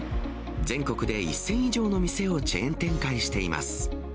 全国で１０００以上の店をチェーン展開しています。